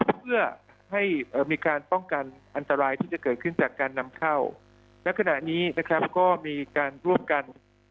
เพื่อให้มีการป้องกันอันตรายที่จะเกิดขึ้นจากการนำเข้าและขณะนี้นะครับก็มีการร่วมกัน